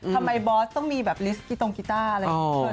บอสต้องมีแบบลิสต์กีตรงกีต้าอะไรอย่างนี้